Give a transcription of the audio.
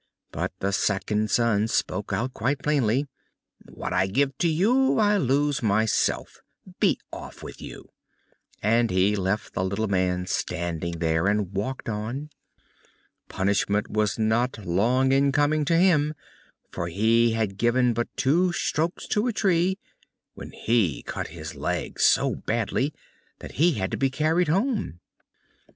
But the second son spoke out quite plainly. "What I give to you I lose myself be off with you," and he left the little man standing there, and walked on. Punishment was not long in coming to him, for he had given but two strokes at a tree when he cut his leg so badly that he had to be carried home.